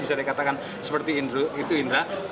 bisa dikatakan seperti itu indra